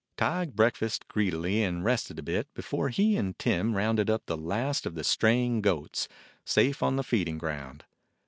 Tige breakfasted greedily and rested a bit, before he and Tim rounded up the last of the straying goats, safe on the feeding ground.